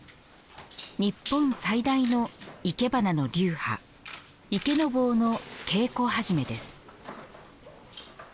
日本最大のいけばなの流派池坊の稽古始めです。